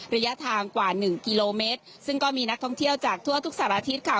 ระยะทางกว่าหนึ่งกิโลเมตรซึ่งก็มีนักท่องเที่ยวจากทั่วทุกสารอาทิตย์ค่ะ